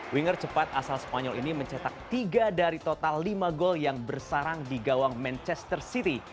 winger cepat asal spanyol ini mencetak tiga dari total lima gol yang bersarang di gawang manchester city